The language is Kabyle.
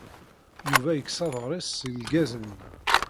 Yuba yekkes-d aḍar-is seg lgaz-nni.